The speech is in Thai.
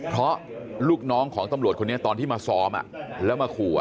เพราะลูกน้องของตำรวจคนนี้ตอนที่มาซ้อมแล้วมาขู่